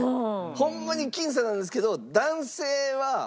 ホンマに僅差なんですけど。